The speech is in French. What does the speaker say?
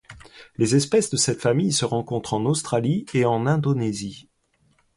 Les espèces de cette famille se rencontrent en Australie et en Indonésie.